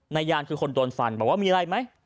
นายยานคือคนโดนฟันบอกว่ามีอะไรไหม